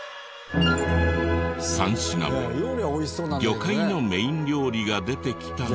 ３品目魚介のメイン料理が出てきたが。